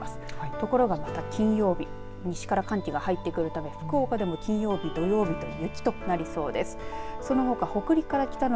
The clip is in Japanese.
ところがまた金曜日西から寒気が入ってくるため福岡でも金曜日、土曜日雪となりそうです。